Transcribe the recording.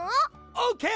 オーケー！